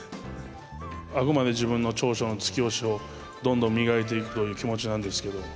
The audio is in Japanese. あくまで自分の長所の突き押しをどんどん磨いていくという気持ちなんですけど。